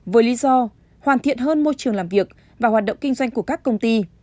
với lý do hoàn thiện hơn môi trường làm việc và hoạt động kinh doanh của các công ty